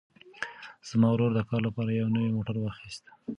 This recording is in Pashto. زما ورور د کار لپاره یو نوی موټر واخیست.